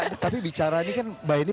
di pecahkan orang ini